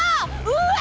うわ！